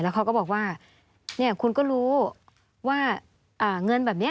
เขาก็บอกว่าคุณก็รู้ว่าเงินแบบนี้